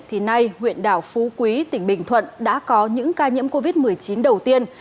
thì nay huyện đảo phú quý tỉnh bình thuận đã có những ca nhiễm covid một mươi chín đầu tiên